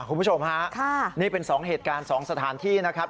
คุณผู้ชมฮะนี่เป็น๒เหตุการณ์๒สถานที่นะครับ